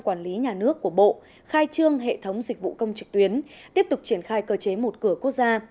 quản lý nhà nước của bộ khai trương hệ thống dịch vụ công trực tuyến tiếp tục triển khai cơ chế một cửa quốc gia